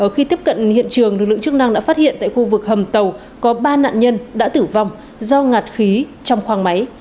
khi tiếp cận hiện trường lực lượng chức năng đã phát hiện tại khu vực hầm tàu có ba nạn nhân đã tử vong do ngạt khí trong khoang máy